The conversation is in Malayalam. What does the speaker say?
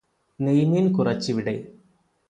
നെയ്മീൻ കുറച്ചിവിടെ